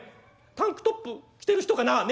タンクトップ着てる人かなあ。